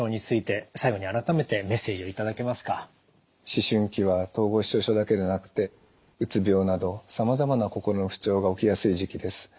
思春期は統合失調症だけでなくてうつ病などさまざまな心の不調が起きやすい時期です。